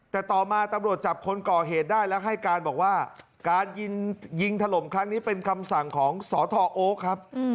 แต่ต่อมาตำรวจจับคนก่อเหตุได้แล้วให้การบอกว่าการยิงถล่มครั้งนี้เป็นคำสั่งของสทโอ๊คครับ